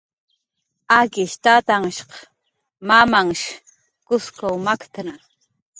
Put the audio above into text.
Akish tatanhshq mamamnhhsh Kuskw maktnna